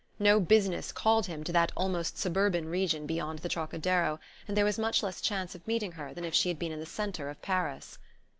No business called him to that almost suburban region beyond the Trocadero, and there was much less chance of meeting her than if she had been in the centre of Paris.